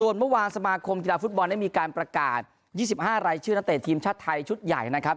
ส่วนเมื่อวานสมาคมกีฬาฟุตบอลได้มีการประกาศ๒๕รายชื่อนักเตะทีมชาติไทยชุดใหญ่นะครับ